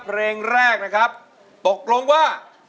เพลงแรกนะครับตกลงว่า